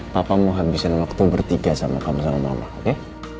papa mau habisin waktu bertiga sama kamu sama mama